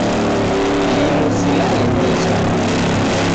Linu silale nicha.